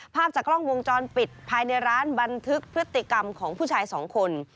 ภาพจากกล้องวงจรปิดภายในร้านบันทึกพฤติกรรมของผู้ชายสองคน